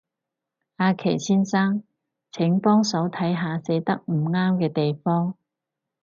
阿祁先生，請幫手睇下寫得唔啱嘅地方